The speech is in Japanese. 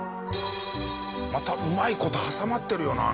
またうまい事挟まってるよな